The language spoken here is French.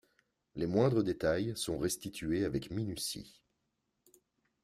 Les moindres détails sont restitués avec minutie.